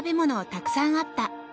たくさんあった。